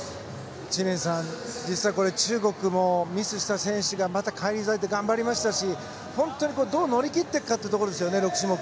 知念さん、中国もミスした選手がまた返り咲いて頑張りましたしどう乗り切っていくかというところですね、６種目。